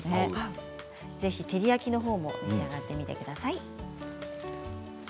ぜひ照り焼きのほうも召し上がってみてください。